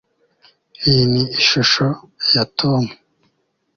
Iyi ni ishusho ya Tom